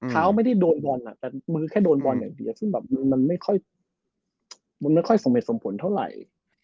เท้าไม่ได้โดนบอลแต่มันแค่โดนบอลอย่างเดียวซึ่งมันไม่ค่อยสมเหตุสมผลเท่าไหร่